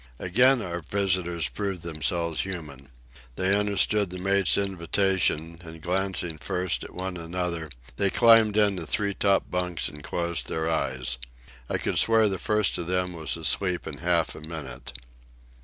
Again our visitors proved themselves human. They understood the mate's invitation, and, glancing first at one another, they climbed into three top bunks and closed their eyes. I could swear the first of them was asleep in half a minute.